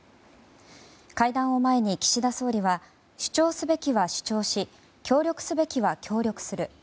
会談を前に、岸田総理は主張すべきは主張し協力すべきは協力する。